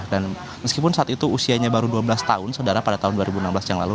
dan meskipun saat itu usianya baru dua belas tahun saudara pada tahun dua ribu enam belas yang lalu